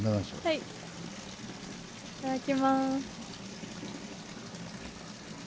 はいいただきます。